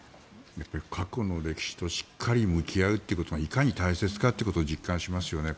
やっぱり過去の歴史としっかり向き合うというのがいかに大切かということを実感しますよね。